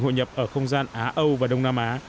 hội nhập ở không gian á âu và đông nam á